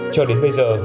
cho đến bây giờ